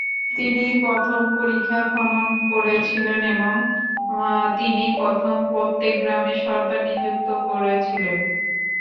তিনিই প্রথম পরিখা খনন করেছিলেন এবং তিনিই প্রথম প্রত্যেক গ্রামে সর্দার নিযুক্ত করেছিলেন।